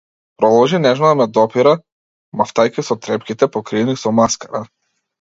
Продолжи нежно да ме допира, мавтајќи со трепките покриени со маскара.